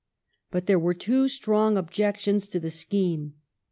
But there were two strong objections to the scheme.